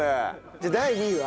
じゃあ第２位は。